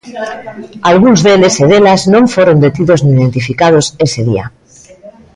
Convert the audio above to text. Algúns deles e delas non foron detidos nin identificados ese día.